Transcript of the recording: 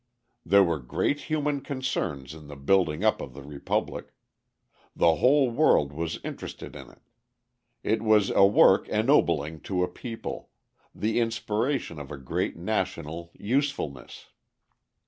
There were great human concerns in the building up of the Republic. The whole world was interested in it. It was a work ennobling to a people the inspiration of a great national usefulness.